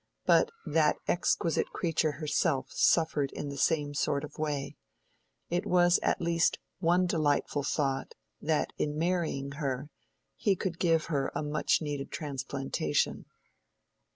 But that exquisite creature herself suffered in the same sort of way:—it was at least one delightful thought that in marrying her, he could give her a much needed transplantation.